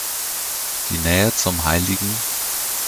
Die Nähe zum Hl.